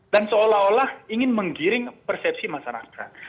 dan seolah olah ingin menggiring persepsi masyarakat